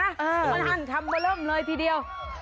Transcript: มาทันทรัพย์บ่เริ่มเลยทีเดียว